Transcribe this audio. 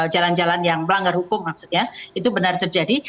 jalan jalan yang melanggar hukum maksudnya itu benar terjadi